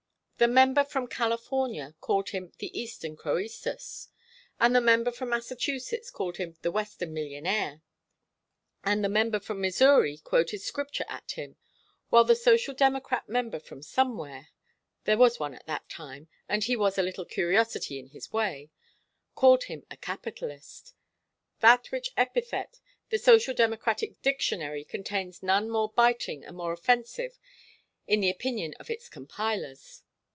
The member from California called him the Eastern Crœsus, and the member from Massachusetts called him the Western Millionaire, and the member from Missouri quoted Scripture at him, while the Social Democrat member from Somewhere there was one at that time, and he was a little curiosity in his way called him a Capitalist, than which epithet the social democratic dictionary contains none more biting and more offensive in the opinion of its compilers.